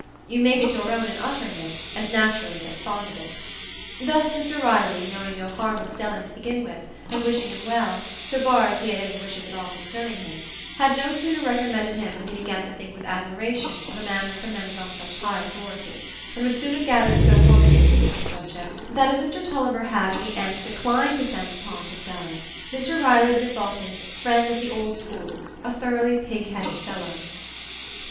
You make it your own in uttering it, and naturally get fond of it. Thus Mr Riley, knowing no harm of Stelling to begin with, and wishing him well, so far as he had any wishes at all concerning him, had no sooner recommended him than he began to think with admiration of a man recommended on such high authority, and would soon have gathered so warm an interest on the subject, that if Mr Tulliver had in the end declined to send Tom to Stelling, Mr Riley would have thought his "friend of the old school" a thoroughly pig headed fellow.